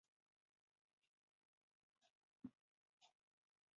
Artur and their mother also moved to San Francisco.